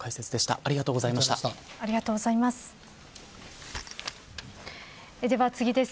ありがとうございます。